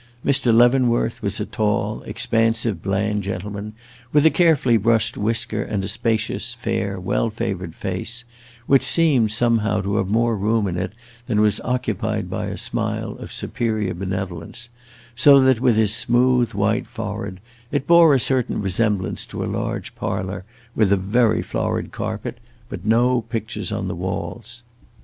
Mr. Leavenworth was a tall, expansive, bland gentleman, with a carefully brushed whisker and a spacious, fair, well favored face, which seemed, somehow, to have more room in it than was occupied by a smile of superior benevolence, so that (with his smooth, white forehead) it bore a certain resemblance to a large parlor with a very florid carpet, but no pictures on the walls.